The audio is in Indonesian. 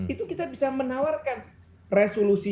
itu kita bisa menawarkan resolusi